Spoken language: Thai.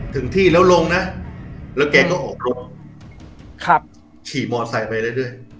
ถึงที่แล้วลงน่ะแล้วแกก็ออกลงครับขี่มอเตอร์ไซค์ไปได้ด้วย